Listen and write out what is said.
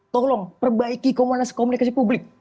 tolong perbaiki komunikasi publik